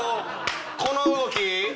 この動き？